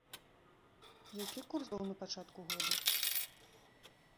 Які курс быў на пачатку года?